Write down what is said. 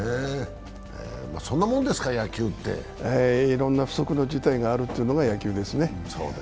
そんなもんですか、野球っていろいろな不測の事態があるのが野球ですね。